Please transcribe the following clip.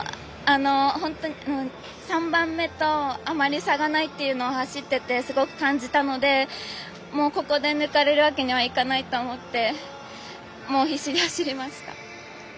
３番目とあまり差がないというのは走っていてすごく感じたのでここで抜かれるわけにはいかないと思って必死で走りました。